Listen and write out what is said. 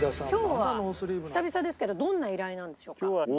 今日は久々ですけどどんな依頼なんでしょうか？